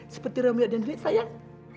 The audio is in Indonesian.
seperti romeo dan juliet sayang